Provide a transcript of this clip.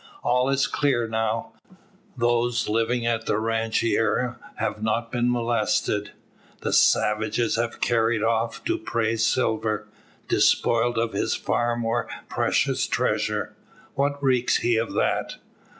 All is clear now. Those living at the rancheria have not been molested. The savages have carried off Dupre's silver. Despoiled of his far more precious treasure, what recks he of that?